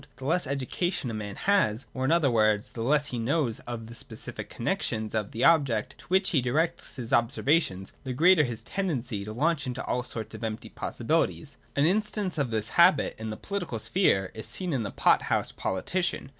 The less education a man has, or, in other words, the less he knows of the specific connexions of the objects to which he directs his observa tions, the greater is his tendency to launch out into all sorts of empty possibilities. An instance of this habit in the political sphere is seen in the pot house politician.